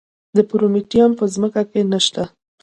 د پرومیټیم په ځمکه کې نه شته.